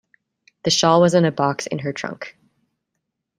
The shawl was in a box in her trunk.